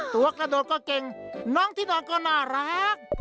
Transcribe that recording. กระโดดก็เก่งน้องที่นอนก็น่ารัก